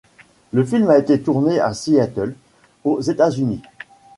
Le film a été tourné à Seattle, aux États-Unis.